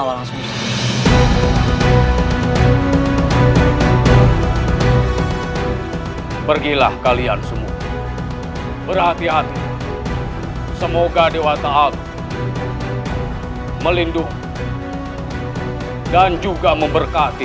walang sumisara pergilah kalian semua berhati hati semoga dewa ta'ala melindungi dan juga memberkati